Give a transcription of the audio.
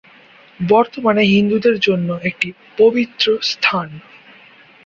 বর্তমানে হিন্দুদের জন্য একটি পবিত্র স্থান।